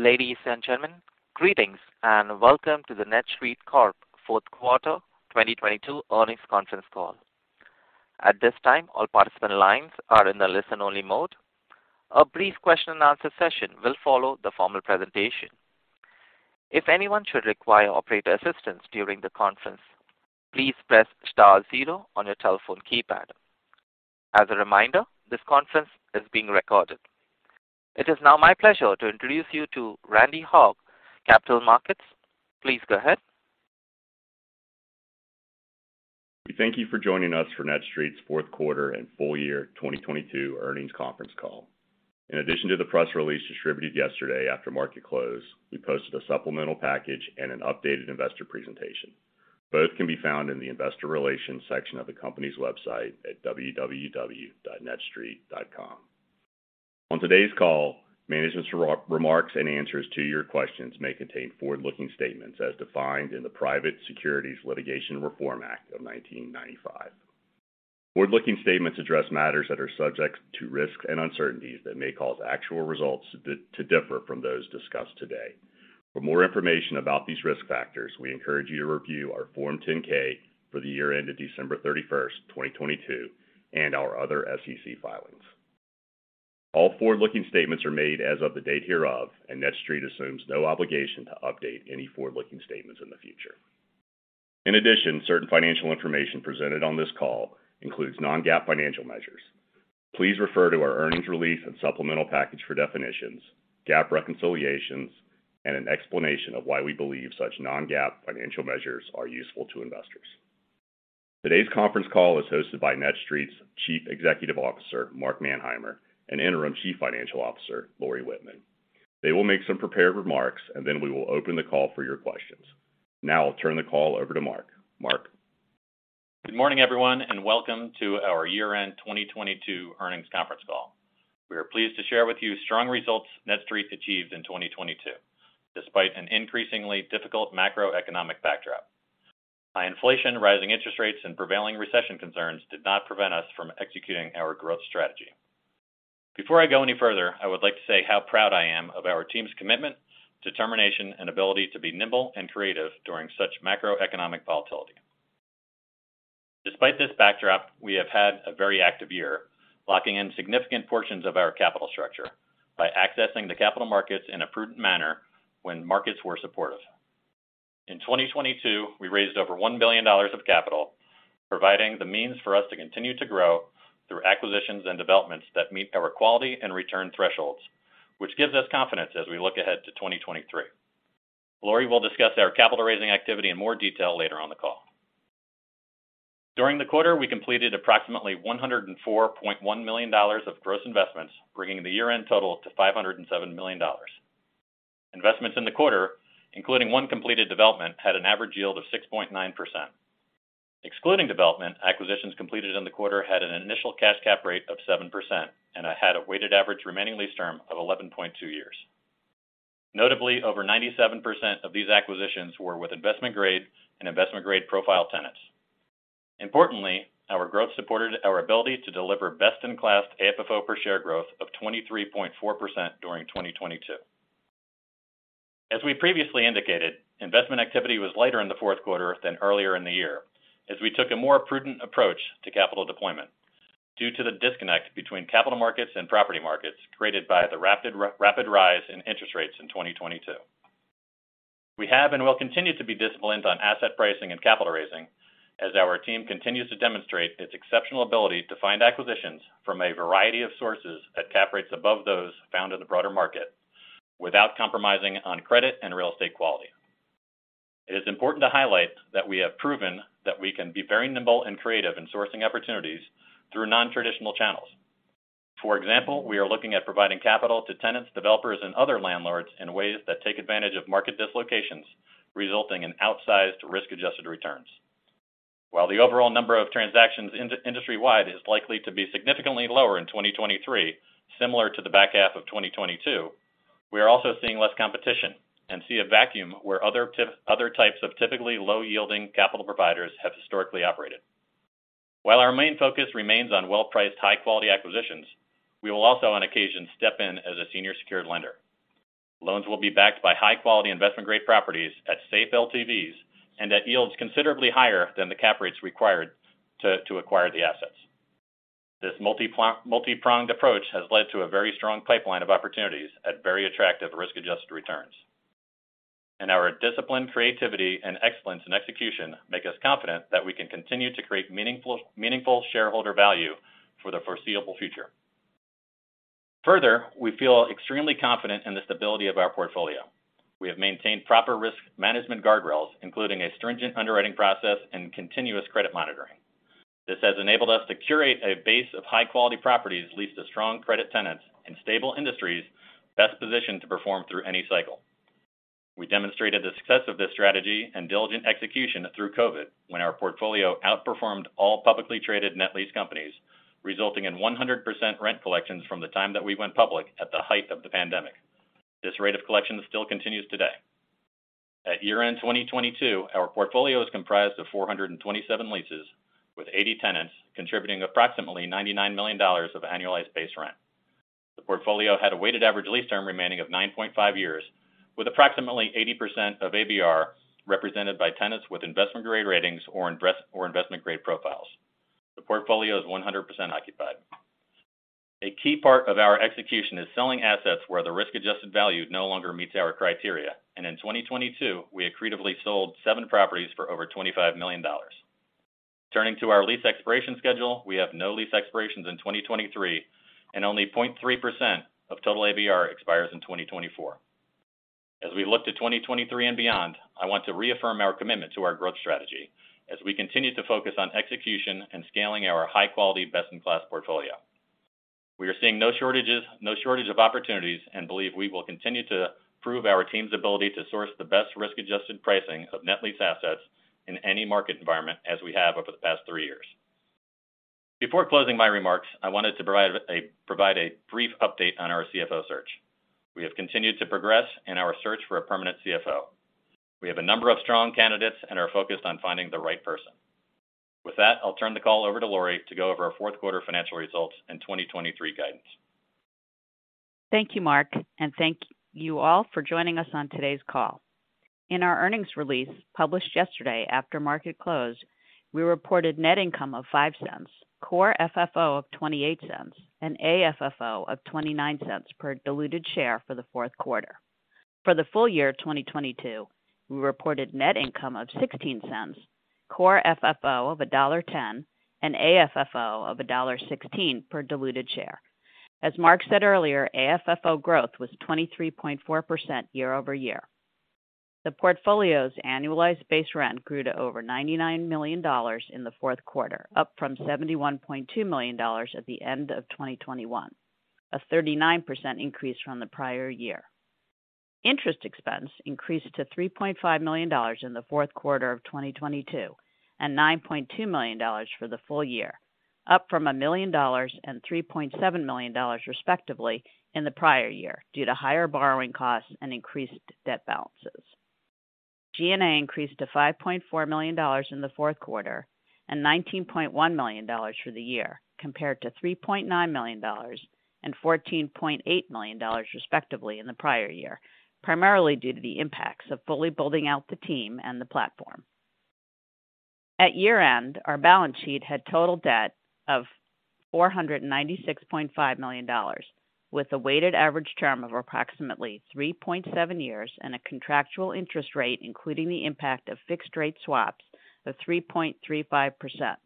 Ladies and gentlemen, greetings, and welcome to the NETSTREIT Corp Fourth Quarter 2022 Earnings Conference Call. At this time, all participant lines are in the listen-only mode. A brief question and answer session will follow the formal presentation. If anyone should require operator assistance during the conference, please press star zero on your telephone keypad. As a reminder, this conference is being recorded. It is now my pleasure to introduce you to Randy Haugh, Capital Markets. Please go ahead. We thank you for joining us for NETSTREIT's Fourth Quarter and Full-Year 2022 Earnings Conference Call. In addition to the press release distributed yesterday after market close, we posted a supplemental package and an updated investor presentation. Both can be found in the investor relations section of the company's website at www.netstreit.com. On today's call, management's remarks and answers to your questions may contain forward-looking statements as defined in the Private Securities Litigation Reform Act of 1995. Forward-looking statements address matters that are subject to risks and uncertainties that may cause actual results to differ from those discussed today. For more information about these risk factors, we encourage you to review our Form 10-K for the year ended December 31st, 2022, and our other SEC filings. All forward-looking statements are made as of the date hereof. NETSTREIT assumes no obligation to update any forward-looking statements in the future. In addition, certain financial information presented on this call includes non-GAAP financial measures. Please refer to our earnings release and supplemental package for definitions, GAAP reconciliations, and an explanation of why we believe such non-GAAP financial measures are useful to investors. Today's conference call is hosted by NETSTREIT's Chief Executive Officer, Mark Manheimer, and Interim Chief Financial Officer, Lori Wittman. They will make some prepared remarks. Then we will open the call for your questions. Now I'll turn the call over to Mark, Mark. Good morning, everyone, and welcome to our year-end 2022 earnings conference call. We are pleased to share with you strong results NETSTREIT achieved in 2022, despite an increasingly difficult macroeconomic backdrop. High inflation, rising interest rates, and prevailing recession concerns did not prevent us from executing our growth strategy. Before I go any further, I would like to say how proud I am of our team's commitment, determination, and ability to be nimble and creative during such macroeconomic volatility. Despite this backdrop, we have had a very active year, locking in significant portions of our capital structure by accessing the capital markets in a prudent manner when markets were supportive. In 2022, we raised over $1 billion of capital, providing the means for us to continue to grow through acquisitions and developments that meet our quality and return thresholds, which gives us confidence as we look ahead to 2023. Lori will discuss our capital raising activity in more detail later on the call. During the quarter, we completed approximately $104.1 million of gross investments, bringing the year-end total to $507 million. Investments in the quarter, including one completed development, had an average yield of 6.9%. Excluding development, acquisitions completed in the quarter had an initial cash cap rate of 7% and had a weighted average remaining lease term of 11.2 years. Notably, over 97% of these acquisitions were with investment grade and investment grade profile tenants. Importantly, our growth supported our ability to deliver best-in-class AFFO per share growth of 23.4% during 2022. As we previously indicated, investment activity was lighter in the fourth quarter than earlier in the year, as we took a more prudent approach to capital deployment due to the disconnect between capital markets and property markets created by the rapid rise in interest rates in 2022. We have and will continue to be disciplined on asset pricing and capital raising as our team continues to demonstrate its exceptional ability to find acquisitions from a variety of sources at cap rates above those found in the broader market without compromising on credit and real estate quality. It is important to highlight that we have proven that we can be very nimble and creative in sourcing opportunities through non-traditional channels. For example, we are looking at providing capital to tenants, developers, and other landlords in ways that take advantage of market dislocations, resulting in outsized risk-adjusted returns. While the overall number of transactions industry-wide is likely to be significantly lower in 2023, similar to the back half of 2022, we are also seeing less competition and see a vacuum where other types of typically low yielding capital providers have historically operated. While our main focus remains on well-priced, high quality acquisitions, we will also on occasion step in as a senior secured lender. Loans will be backed by high quality investment grade properties at safe LTVs and at yields considerably higher than the cap rates required to acquire the assets. This multi-pronged approach has led to a very strong pipeline of opportunities at very attractive risk-adjusted returns. Our discipline, creativity, and excellence in execution make us confident that we can continue to create meaningful shareholder value for the foreseeable future. Further, we feel extremely confident in the stability of our portfolio. We have maintained proper risk management guardrails, including a stringent underwriting process and continuous credit monitoring. This has enabled us to curate a base of high quality properties leased to strong credit tenants in stable industries best positioned to perform through any cycle. We demonstrated the success of this strategy and diligent execution through COVID, when our portfolio outperformed all publicly traded net lease companies, resulting in 100% rent collections from the time that we went public at the height of the pandemic. This rate of collection still continues today. At year end 2022, our portfolio is comprised of 427 leases with 80 tenants, contributing approximately $99 million of annualized base rent. The portfolio had a weighted average lease term remaining of 9.5 years, with approximately 80% of ABR represented by tenants with investment grade ratings or investment grade profiles. The portfolio is 100% occupied. A key part of our execution is selling assets where the risk-adjusted value no longer meets our criteria. In 2022, we accretively sold 7 properties for over $25 million. Turning to our lease expiration schedule, we have no lease expirations in 2023, and only 0.3% of total ABR expires in 2024. As we look to 2023 and beyond, I want to reaffirm our commitment to our growth strategy as we continue to focus on execution and scaling our high quality, best in class portfolio. We are seeing no shortage of opportunities and believe we will continue to prove our team's ability to source the best risk-adjusted pricing of net lease assets in any market environment, as we have over the past three years. Before closing my remarks, I wanted to provide a brief update on our CFO search. We have continued to progress in our search for a permanent CFO. We have a number of strong candidates and are focused on finding the right person. With that, I'll turn the call over to Lori to go over our fourth quarter financial results and 2023 guidance. Thank you, Mark, and thank you all for joining us on today's call. In our earnings release published yesterday after market close, we reported net income of $0.05, core FFO of $0.28, and AFFO of $0.29 per diluted share for the fourth quarter. For the full-year of 2022, we reported net income of $0.16, core FFO of $1.10, and AFFO of $1.16 per diluted share. As Mark said earlier, AFFO growth was 23.4% year-over-year. The portfolio's annualized base rent grew to over $99 million in the fourth quarter, up from $71.2 million at the end of 2021, a 39% increase from the prior year. Interest expense increased to $3.5 million in the fourth quarter of 2022, and $9.2 million for the full-year, up from $1 million and $3.7 million, respectively, in the prior year, due to higher borrowing costs and increased debt balances. G&A increased to $5.4 million in the fourth quarter and $19.1 million for the year, compared to $3.9 million and $14.8 million, respectively, in the prior year, primarily due to the impacts of fully building out the team and the platform. At year-end, our balance sheet had total debt of $496.5 million, with a weighted average term of approximately 3.7 years and a contractual interest rate, including the impact of fixed rate swaps of 3.35%.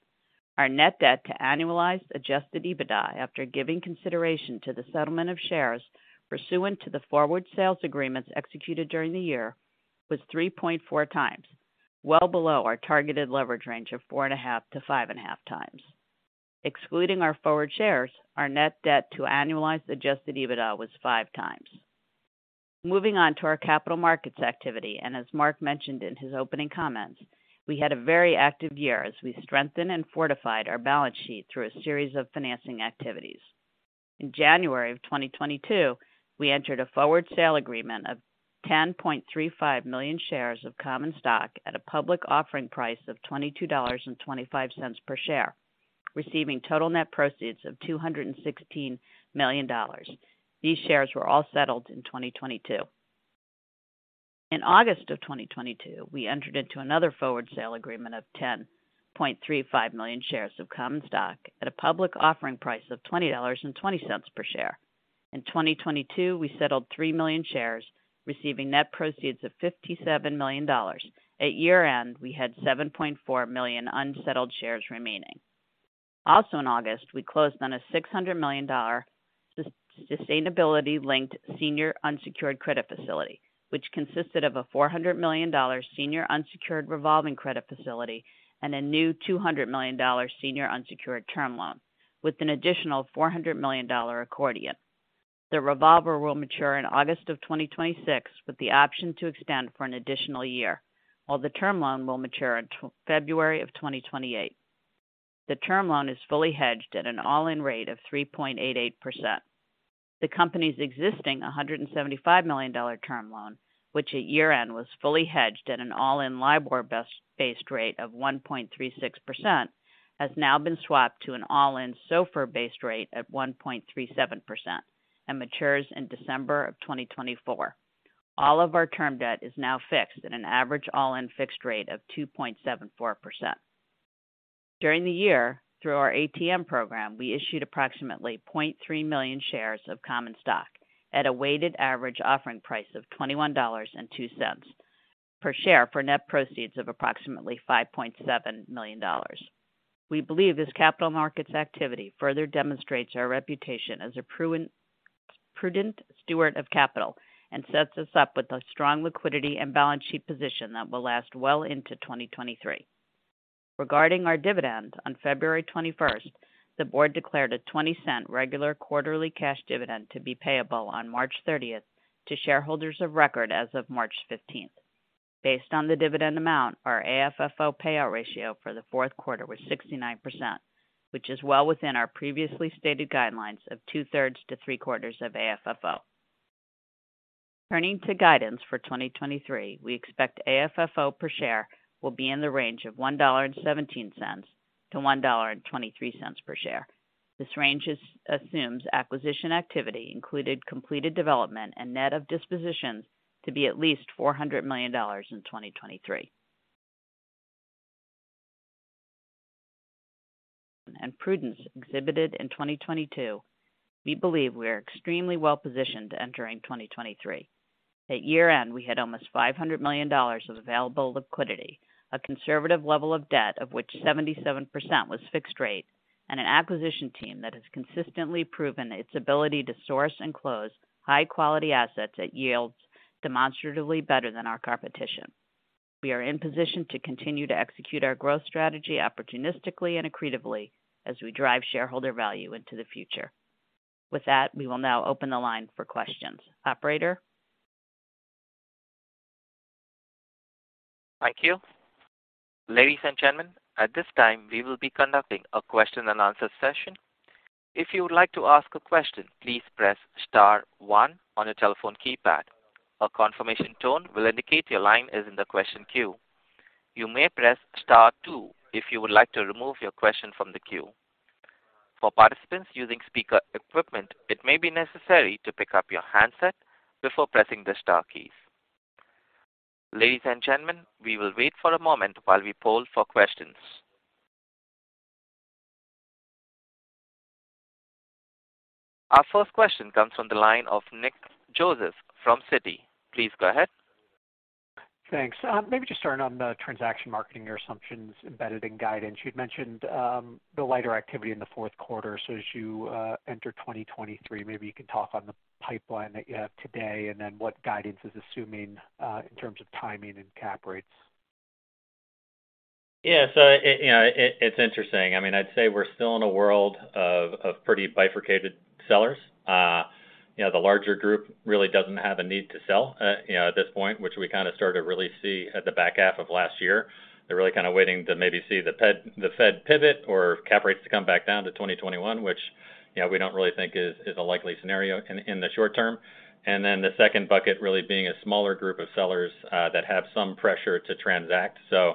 Our net debt to annualized Adjusted EBITDA after giving consideration to the settlement of shares pursuant to the forward sales agreements executed during the year was 3.4 times, well below our targeted leverage range of 4.5-5.5 times. Excluding our forward shares, our net debt to annualized Adjusted EBITDA was 5x. Moving on to our capital markets activity, as Mark mentioned in his opening comments, we had a very active year as we strengthened and fortified our balance sheet through a series of financing activities. In January of 2022, we entered a forward sale agreement of 10.35 million shares of common stock at a public offering price of $22.25 per share, receiving total net proceeds of $216 million. These shares were all settled in 2022. In August of 2022, we entered into another forward sale agreement of 10.35 million shares of common stock at a public offering price of $20.20 per share. In 2022, we settled 3 million shares, receiving net proceeds of $57 million. At year-end, we had 7.4 million unsettled shares remaining. Also in August, we closed on a $600 million sustainability-linked senior unsecured credit facility, which consisted of a $400 million senior unsecured revolving credit facility and a new $200 million senior unsecured term loan with an additional $400 million accordion. The revolver will mature in August of 2026, with the option to extend for an additional year, while the term loan will mature in February of 2028. The term loan is fully hedged at an all-in rate of 3.88%. The company's existing $175 million term loan, which at year-end was fully hedged at an all-in LIBOR-based rate of 1.36%, has now been swapped to an all-in SOFR-based rate at 1.37% and matures in December 2024. All of our term debt is now fixed at an average all-in fixed rate of 2.74%. During the year, through our ATM program, we issued approximately 0.3 million shares of common stock at a weighted average offering price of $21.02 per share for net proceeds of approximately $5.7 million. We believe this capital markets activity further demonstrates our reputation as a prudent steward of capital and sets us up with a strong liquidity and balance sheet position that will last well into 2023. Regarding our dividend, on February 21st, the board declared a $0.20 regular quarterly cash dividend to be payable on March 30th to shareholders of record as of March 15th. Based on the dividend amount, our AFFO payout ratio for the fourth quarter was 69%. Which is well within our previously stated guidelines of two-thirds to three-quarters of AFFO. Turning to guidance for 2023, we expect AFFO per share will be in the range of $1.17-$1.23 per share. This range assumes acquisition activity included completed development and net of dispositions to be at least $400 million in 2023. Prudence exhibited in 2022, we believe we are extremely well positioned entering 2023. At year-end, we had almost $500 million of available liquidity, a conservative level of debt, of which 77% was fixed rate, and an acquisition team that has consistently proven its ability to source and close high-quality assets at yields demonstratively better than our competition. We are in position to continue to execute our growth strategy opportunistically and accretively as we drive shareholder value into the future. With that, we will now open the line for questions. Operator? Thank you. Ladies and gentlemen, at this time, we will be conducting a question and answer session. If you would like to ask a question, please press star one on your telephone keypad. A confirmation tone will indicate your line is in the question queue. You may press star two if you would like to remove your question from the queue. For participants using speaker equipment, it may be necessary to pick up your handset before pressing the star keys. Ladies and gentlemen, we will wait for a moment while we poll for questions. Our first question comes from the line of Nick Joseph from Citi. Please go ahead. Thanks. maybe just starting on the transaction marketing, your assumptions embedded in guidance. You'd mentioned, the lighter activity in the fourth quarter. As you, enter 2023, maybe you can talk on the pipeline that you have today, and then what guidance is assuming, in terms of timing and cap rates. Yeah. you know, it's interesting. I mean, I'd say we're still in a world of pretty bifurcated sellers. you know, the larger group really doesn't have a need to sell, you know, at this point, which we kind of started to really see at the back half of last year. They're really kind of waiting to maybe see the Fed pivot or cap rates to come back down to 2021, which, you know, we don't really think is a likely scenario in the short term. The second bucket really being a smaller group of sellers, that have some pressure to transact. you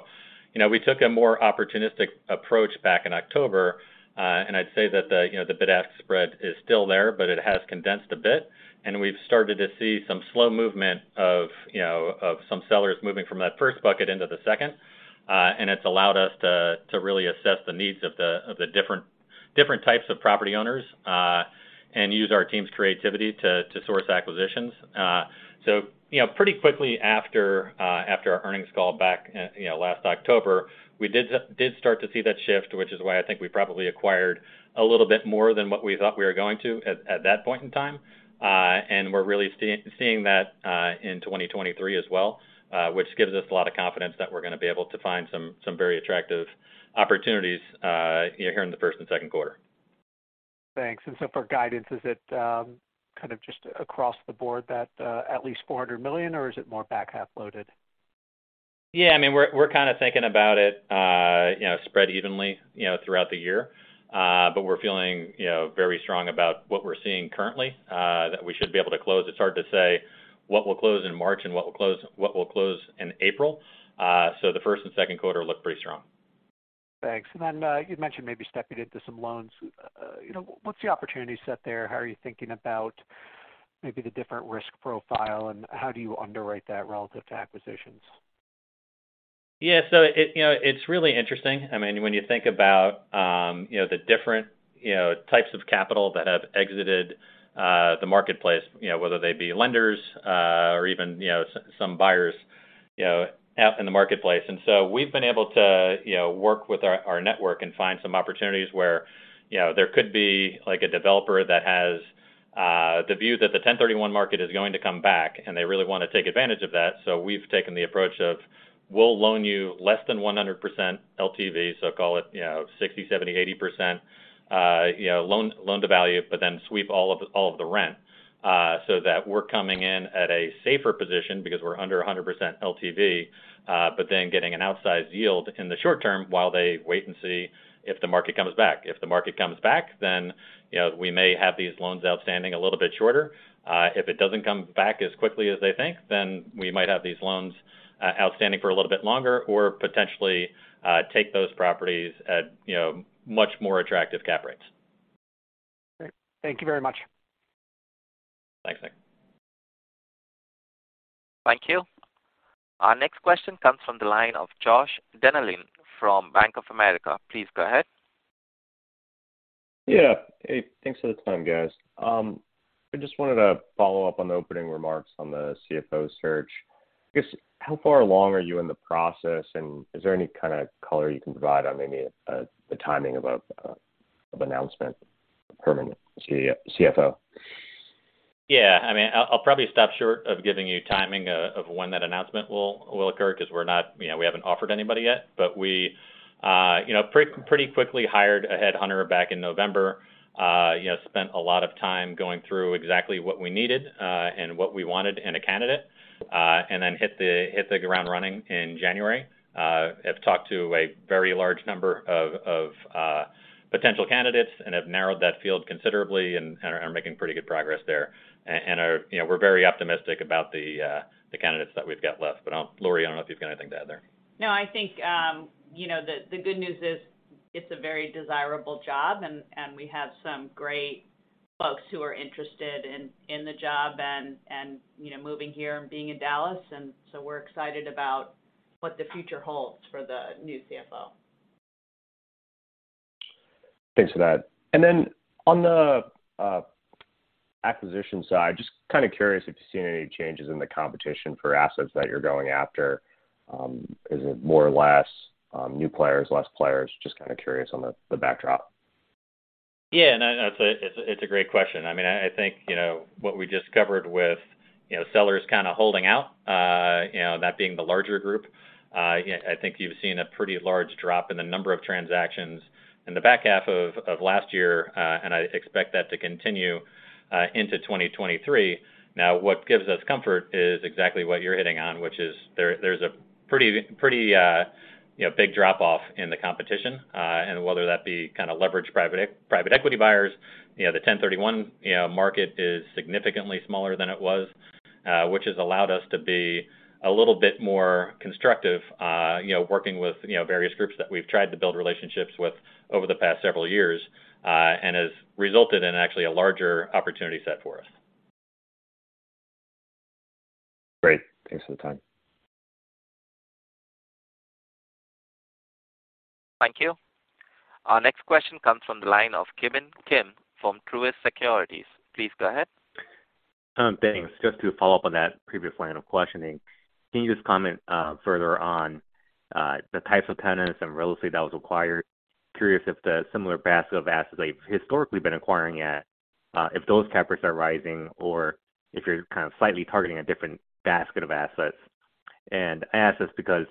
know, we took a more opportunistic approach back in October, and I'd say that the, you know, the bid-ask spread is still there, but it has condensed a bit. We've started to see some slow movement of, you know, some sellers moving from that first bucket into the second. It's allowed us to really assess the needs of the different types of property owners and use our team's creativity to source acquisitions. You know, pretty quickly after our earnings call back, you know, last October, we did start to see that shift, which is why I think we probably acquired a little bit more than what we thought we were going to at that point in time. We're really seeing that in 2023 as well, which gives us a lot of confidence that we're gonna be able to find some very attractive opportunities, you know, here in the first and second quarter. Thanks. For guidance, is it kind of just across the board that at least $400 million, or is it more back half loaded? Yeah, I mean, we're kind of thinking about it, you know, spread evenly, you know, throughout the year. We're feeling, you know, very strong about what we're seeing currently, that we should be able to close. It's hard to say what we'll close in March and what we'll close in April. The first and second quarter look pretty strong. Thanks. You'd mentioned maybe stepping into some loans. You know, what's the opportunity set there? How are you thinking about maybe the different risk profile, and how do you underwrite that relative to acquisitions? Yeah. It, you know, it's really interesting. I mean, when you think about, you know, the different, you know, types of capital that have exited, the marketplace, you know, whether they be lenders, or even, you know, some buyers, you know, out in the marketplace. We've been able to, you know, work with our network and find some opportunities where, you know, there could be like a developer that has the view that the 1031 market is going to come back, and they really wanna take advantage of that. We've taken the approach of we'll loan you less than 100% LTV. Call it, you know, 60%, 70%, 80%, you know, loan to value, sweep all of the rent, so that we're coming in at a safer position because we're under 100% LTV, getting an outsized yield in the short term while they wait and see if the market comes back. If the market comes back, you know, we may have these loans outstanding a little bit shorter. If it doesn't come back as quickly as they think, we might have these loans outstanding for a little bit longer or potentially take those properties at, you know, much more attractive cap rates. Great. Thank you very much. Thanks, Nick. Thank you. Our next question comes from the line of Josh Dennerlein from Bank of America. Please go ahead. Hey, thanks for the time, guys. I just wanted to follow up on the opening remarks on the CFO search. I guess, how far along are you in the process, and is there any kind of color you can provide on maybe, the timing of announcement of permanent CFO? Yeah. I mean, I'll probably stop short of giving you timing of when that announcement will occur 'cause we're not, you know, we haven't offered anybody yet. We, you know, pretty quickly hired a headhunter back in November. You know, spent a lot of time going through exactly what we needed and what we wanted in a candidate and then hit the ground running in January. I've talked to a very large number of potential candidates and have narrowed that field considerably and are making pretty good progress there. Are, you know, we're very optimistic about the candidates that we've got left. I'll... Lori, I don't know if you've got anything to add there. I think, you know, the good news is it's a very desirable job and we have some great folks who are interested in the job and, you know, moving here and being in Dallas. We're excited about what the future holds for the new CFO. Thanks for that. On the acquisition side, just kind of curious if you've seen any changes in the competition for assets that you're going after. Is it more or less, new players, less players? Just kind of curious on the backdrop. Yeah. No, it's a, it's a, it's a great question. I mean, I think, you know, what we just covered with, you know, sellers kind of holding out, you know, that being the larger group, I think you've seen a pretty large drop in the number of transactions in the back half of last year. I expect that to continue into 2023. Now, what gives us comfort is exactly what you're hitting on, which is there's a pretty, you know, big drop off in the competition, whether that be kind of leveraged private equity buyers. You know, the 1031, you know, market is significantly smaller than it was, which has allowed us to be a little bit more constructive, you know, working with, you know, various groups that we've tried to build relationships with over the past several years, and has resulted in actually a larger opportunity set for us. Great. Thanks for the time. Thank you. Our next question comes from the line of Ki Bin Kim from Truist Securities. Please go ahead. Thanks. Just to follow up on that previous line of questioning, can you just comment further on the types of tenants and real estate that was acquired? Curious if the similar basket of assets that you've historically been acquiring at, if those cap rates are rising or if you're kind of slightly targeting a different basket of assets. I ask this because,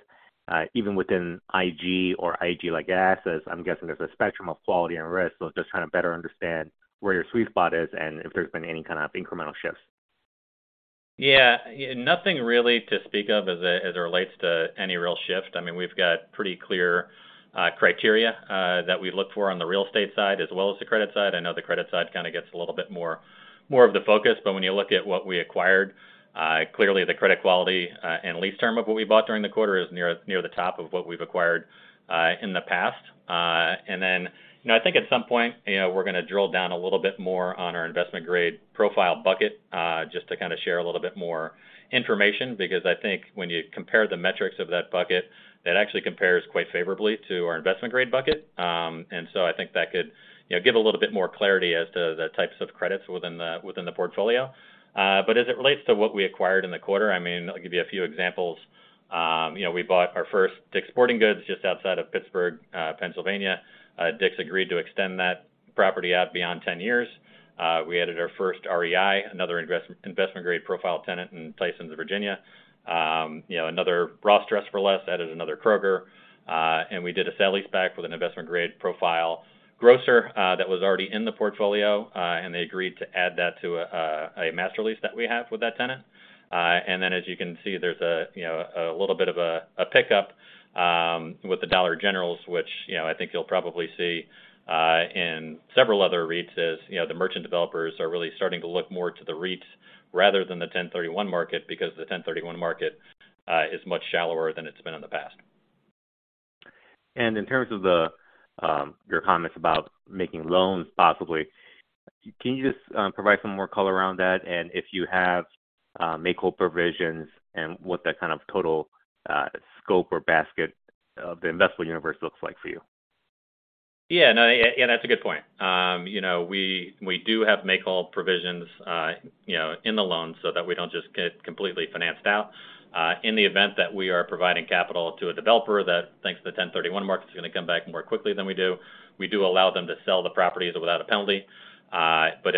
even within IG or IG-like assets, I'm guessing there's a spectrum of quality and risk. Just trying to better understand where your sweet spot is and if there's been any kind of incremental shifts. Nothing really to speak of as it relates to any real shift. I mean, we've got pretty clear criteria that we look for on the real estate side as well as the credit side. I know the credit side kind of gets a little bit more of the focus, but when you look at what we acquired, clearly the credit quality and lease term of what we bought during the quarter is near the top of what we've acquired in the past. Then, you know, I think at some point, you know, we're gonna drill down a little bit more on our investment grade profile bucket, just to kind of share a little bit more information because I think when you compare the metrics of that bucket, that actually compares quite favorably to our investment grade bucket. I think that could, you know, give a little bit more clarity as to the types of credits within the portfolio. As it relates to what we acquired in the quarter, I mean, I'll give you a few examples. You know, we bought our first DICK'S Sporting Goods just outside of Pittsburgh, Pennsylvania. DICK'S agreed to extend that property out beyond 10 years. We added our first REI, another investment grade profile tenant in Tysons, Virginia. You know, another Ross Dress for Less, added another Kroger, and we did a sale leaseback with an investment grade profile grocer that was already in the portfolio, and they agreed to add that to a master lease that we have with that tenant. As you can see, there's a, you know, a little bit of a pickup, with the Dollar Generals, which, you know, I think you'll probably see, in several other REITs as, you know, the merchant developers are really starting to look more to the REITs rather than the 1031 market, because the 1031 market, is much shallower than it's been in the past. In terms of the, your comments about making loans possibly, can you just provide some more color around that? If you have make-whole provisions and what that kind of total scope or basket of the investable universe looks like for you? Yeah. No, yeah, that's a good point. you know, we do have make-whole provisions, you know, in the loan so that we don't just get completely financed out. In the event that we are providing capital to a developer that thinks the 1031 market is gonna come back more quickly than we do, we do allow them to sell the properties without a penalty.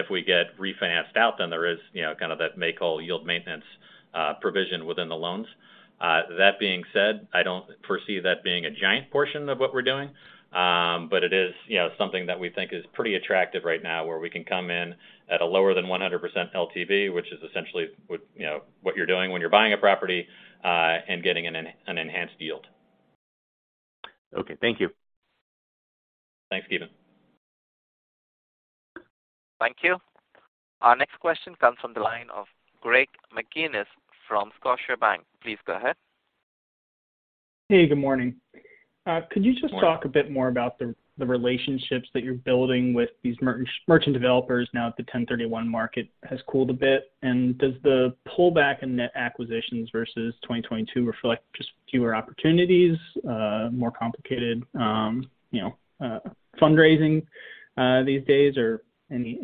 If we get refinanced out, then there is, you know, kind of that make-whole yield maintenance, provision within the loans. That being said, I don't foresee that being a giant portion of what we're doing. It is, you know, something that we think is pretty attractive right now, where we can come in at a lower than 100% LTV, which is essentially what, you know, what you're doing when you're buying a property, and getting an enhanced yield. Okay, thank you. Thanks, Kim. Thank you. Our next question comes from the line of Greg McGinniss from Scotiabank. Please go ahead. Hey, good morning. Good morning. Could you just talk a bit more about the relationships that you're building with these merch-merchant developers now that the 1031 market has cooled a bit? Does the pullback in net acquisitions versus 2022 reflect just fewer opportunities, more complicated fundraising these days? Or any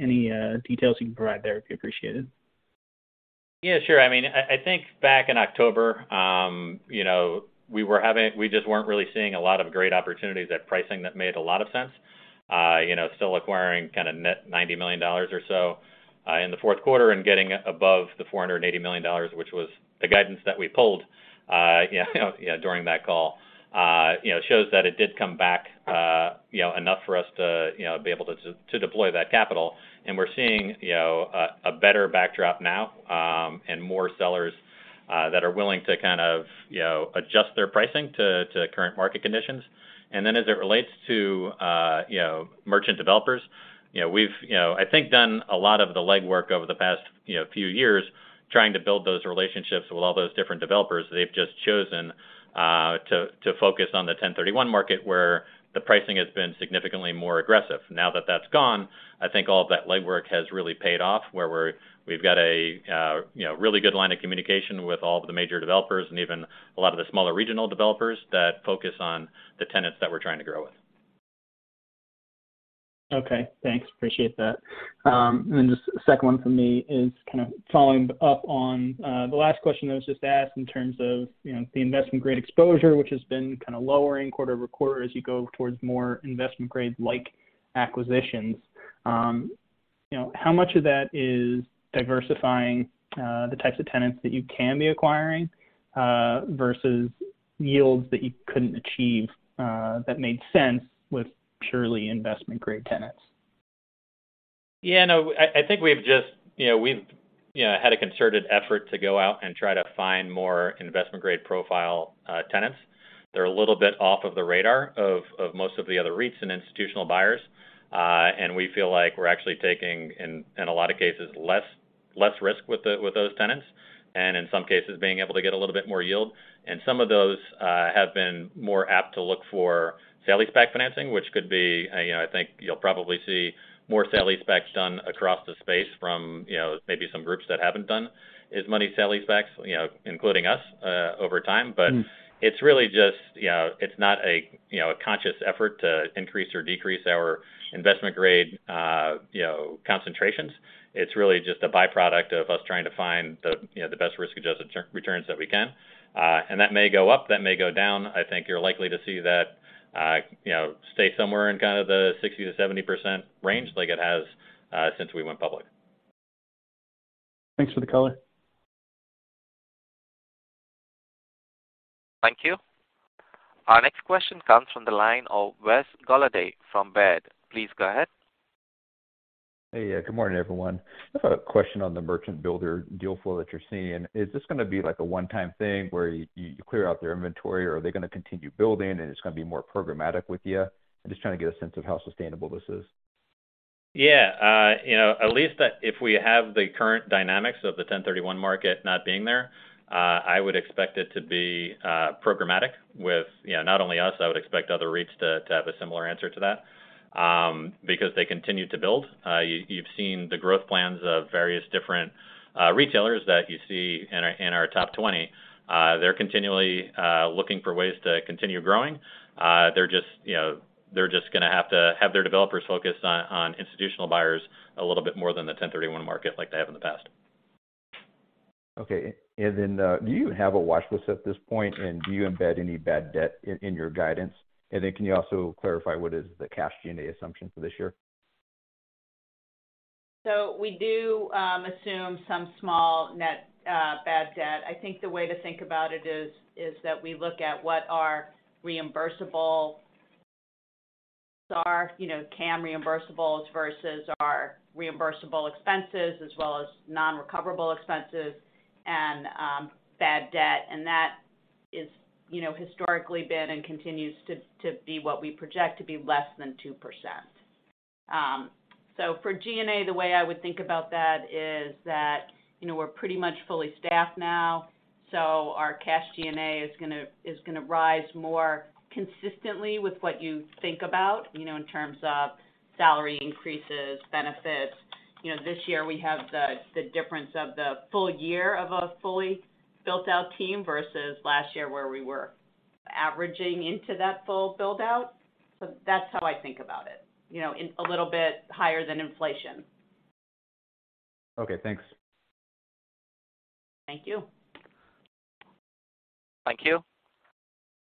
details you can provide there would be appreciated. Yeah, sure. I mean, I think back in October, you know, we just weren't really seeing a lot of great opportunities at pricing that made a lot of sense. you know, still acquiring kind of net $90 million or so, in the fourth quarter and getting above the $480 million, which was the guidance that we pulled, you know, during that call. you know, shows that it did come back, you know, enough for us to, you know, be able to deploy that capital. We're seeing, you know, a better backdrop now, and more sellers, that are willing to kind of, you know, adjust their pricing to current market conditions. As it relates to, you know, merchant developers, you know, we've, you know, I think done a lot of the legwork over the past, you know, few years trying to build those relationships with all those different developers. They've just chosen to focus on the 1031 market where the pricing has been significantly more aggressive. Now that that's gone, I think all of that legwork has really paid off, where we've got a, you know, really good line of communication with all of the major developers and even a lot of the smaller regional developers that focus on the tenants that we're trying to grow with. Okay, thanks. Appreciate that. Just the second one from me is kind of following up on the last question that was just asked in terms of, you know, the investment-grade exposure, which has been kind of lowering quarter-over-quarter as you go towards more investment grade-like acquisitions. You know, how much of that is diversifying the types of tenants that you can be acquiring versus yields that you couldn't achieve that made sense with purely investment-grade tenants? Yeah, no, I think we've just, you know, we've, you know, had a concerted effort to go out and try to find more investment grade profile tenants. They're a little bit off of the radar of most of the other REITs and institutional buyers. We feel like we're actually taking in a lot of cases, less risk with those tenants, and in some cases being able to get a little bit more yield. Some of those have been more apt to look for sale leaseback financing, which could be, you know, I think you'll probably see more sale leasebacks done across the space from, you know, maybe some groups that haven't done as many sale leasebacks, you know, including us, over time. It's really just, you know, it's not a, you know, a conscious effort to increase or decrease our investment grade, you know, concentrations. It's really just a byproduct of us trying to find the, you know, the best risk-adjusted returns that we can. That may go up, that may go down. I think you're likely to see that, you know, stay somewhere in kind of the 60% to 70% range like it has since we went public. Thanks for the color. Thank you. Our next question comes from the line of Wes Golladay from Baird. Please go ahead. Hey. Good morning, everyone. Just a question on the merchant builder deal flow that you're seeing. Is this gonna be like a one-time thing where you clear out their inventory or are they gonna continue building and it's gonna be more programmatic with you? I'm just trying to get a sense of how sustainable this is. You know, at least if we have the current dynamics of the 1031 market not being there, I would expect it to be programmatic with, you know, not only us, I would expect other REITs to have a similar answer to that, because they continue to build. You've seen the growth plans of various different retailers that you see in our top 20. They're continually looking for ways to continue growing. They're just, you know, they're just gonna have to have their developers focus on institutional buyers a little bit more than the 1031 market like they have in the past. Okay. Do you have a watch list at this point? Do you embed any bad debt in your guidance? Can you also clarify what is the cash G&A assumption for this year? We do assume some small net bad debt. I think the way to think about it is that we look at what our reimbursable are, you know, CAM reimbursables versus our reimbursable expenses, as well as non-recoverable expenses and bad debt. That is, you know, historically been and continues to be what we project to be less than 2%. For G&A, the way I would think about that is that, you know, we're pretty much fully staffed now, so our cash G&A is gonna rise more consistently with what you think about, you know, in terms of salary increases, benefits. You know, this year we have the difference of the full-year of a fully built-out team versus last year, where we were averaging into that full build-out. That's how I think about it. You know, in a little bit higher than inflation. Okay, thanks. Thank you. Thank you.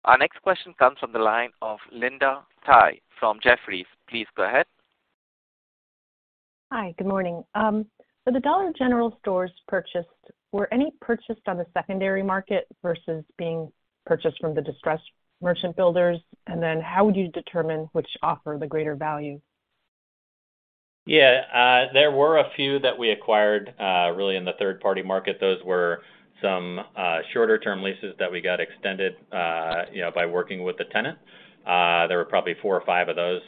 Our next question comes from the line of Linda Tsai from Jefferies. Please go ahead. Hi. Good morning. For the Dollar General stores purchased, were any purchased on the secondary market versus being purchased from the distressed merchant builders? How would you determine which offer the greater value? Yeah. There were a few that we acquired, really in the third-party market. Those were some shorter-term leases that we got extended, you know, by working with the tenant. There were probably four or five of those,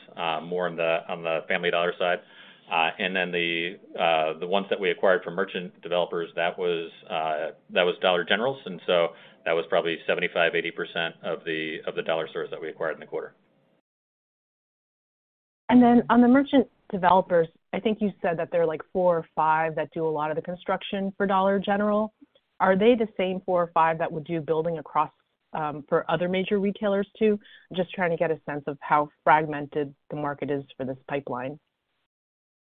more on the Family Dollar side. The ones that we acquired from merchant developers, that was Dollar Generals, and so that was probably 75%, 80% of the dollar stores that we acquired in the quarter. On the merchant developers, I think you said that there are like four or five that do a lot of the construction for Dollar General. Are they the same four or five that would do building across for other major retailers, too? I am just trying to get a sense of how fragmented the market is for this pipeline.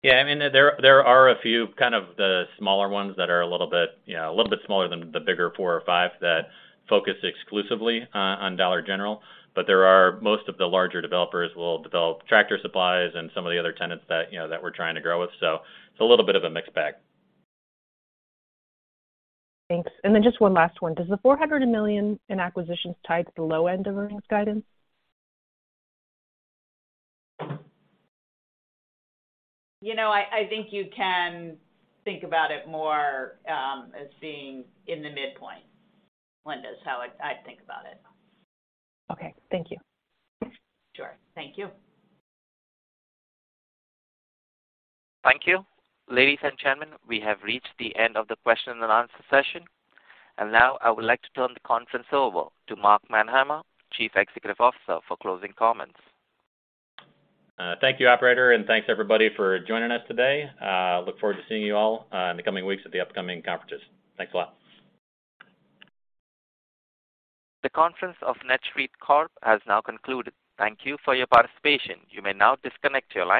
Yeah, I mean, there are a few kind of the smaller ones that are a little bit, you know, a little bit smaller than the bigger four or five that focus exclusively on Dollar General. There are most of the larger developers will develop Tractor Supplies and some of the other tenants that, you know, that we're trying to grow with. It's a little bit of a mixed bag. Thanks. Then just one last one. Does the $400 million in acquisitions tie to the low end of earnings guidance? You know, I think you can think about it more as being in the midpoint, Linda, is how I'd think about it. Okay. Thank you. Sure. Thank you. Thank you. Ladies and gentlemen, we have reached the end of the question and answer session. Now I would like to turn the conference over to Mark Manheimer, Chief Executive Officer, for closing comments. Thank you, operator, and thanks everybody for joining us today. Look forward to seeing you all in the coming weeks at the upcoming conferences. Thanks a lot. The conference of NETSTREIT Corp. has now concluded. Thank you for your participation. You may now disconnect your lines.